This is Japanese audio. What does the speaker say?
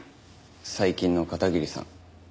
最近の片桐さん。